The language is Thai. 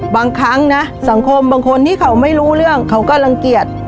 บางครั้งนะสังคมบางคนที่เขาไม่รู้เรื่องเขาก็รังเกียจ